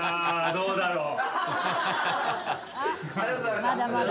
どうだろう？